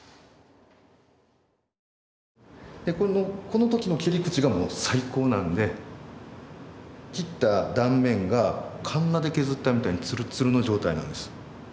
この時の切り口がもう最高なんで切った断面がカンナで削ったみたいにツルツルの状態なんです。